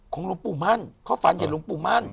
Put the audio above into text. ของหลวงปู่มั่นเขาฟังอย่างหลวงปู่มั่น